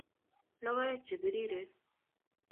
Lokoek chepiriren